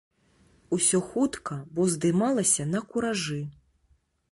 Усё хутка, бо здымалася на куражы.